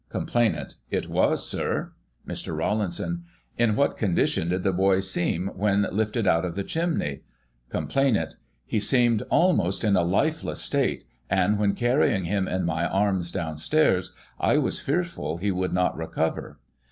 Complainant: It was. Sir. Digitized by Google 86 GOSSIP. [1839 Mr. Rawlinson : In what condition did the boy seem when lifted out of the chimney? Complainant : He seemed almost in a lifeless state, and when carrying him in my arms downstairs, I was fearful he would not recover.